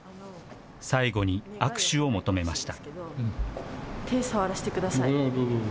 最後に握手を求めました。